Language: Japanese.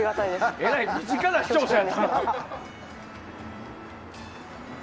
えらい身近な視聴者やな。